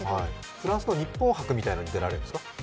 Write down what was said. フランスの日本博みたいなのに出るんですか？